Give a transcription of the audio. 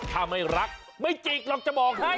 ถ้าไม่รักไม่จิกหรอกจะบอกให้